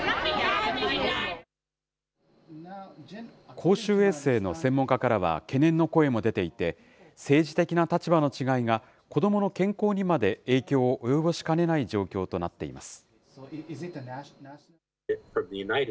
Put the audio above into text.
公衆衛生の専門家からは、懸念の声も出ていて、政治的な立場の違いが子どもの健康にまで影響を及ぼしかねない状況となっています。